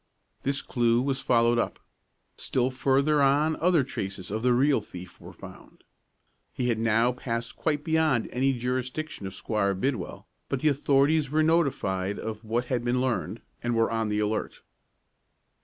This clew was followed up. Still farther on other traces of the real thief were found. He had now passed quite beyond any jurisdiction of Squire Bidwell, but the authorities were notified of what had been learned, and were on the alert.